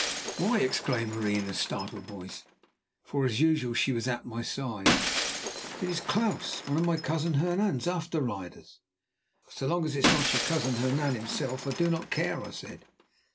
"Why!" exclaimed Marie in a startled voice, for, as usual, she was at my side, "it is Klaus, one of my cousin Hernan's after riders." "So long as it is not your cousin Hernan himself, I do not care," I said.